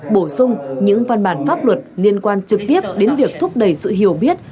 bổ sung những văn bản pháp luật liên quan trực tiếp đến việc thúc đẩy sự hiểu biết